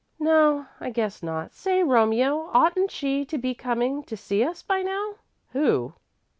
"No, I guess not. Say, Romie, oughtn't she to be coming to see us by now?" "Who?"